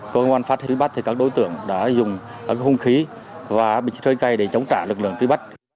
công an phát triển truy bắt thì các đối tượng đã dùng hông khí và bịch trời cây để chống trả lực lượng truy bắt